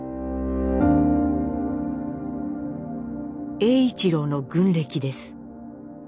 栄一郎の軍歴です。